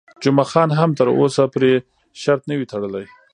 جمعه خان هم تر اوسه پرې شرط نه وي تړلی.